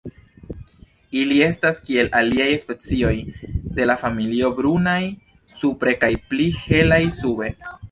Ili estas kiel aliaj specioj de la familio brunaj supre kaj pli helaj sube.